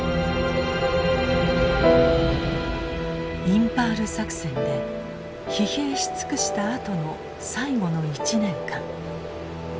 インパール作戦で疲弊し尽くしたあとの最後の１年間。